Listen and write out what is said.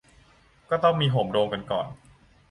ก็ต้องมีโหมโรงกันก่อน